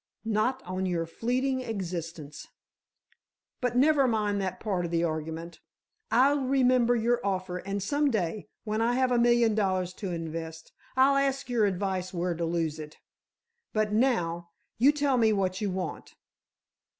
Not on your fleeting existence! But, never mind that part of the argument, I'll remember your offer, and some day, when I have a million dollars to invest, I'll ask your advice where to lose it. But, now, you tell me what you want."